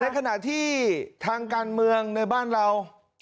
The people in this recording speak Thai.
ขณะที่ทางการเมืองในบ้านเรา